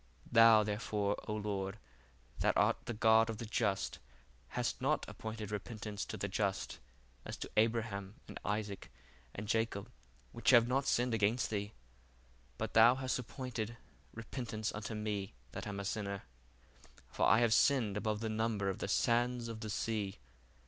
Thou therefore, O Lord, that art the God of the just, hast not appointed repentance to the just, as to Abraham, and Isaac, and Jacob, which have not sinned against thee; but thou hast appointed repentance unto me that am a sinner: for I have sinned above the number of the sands of the sea.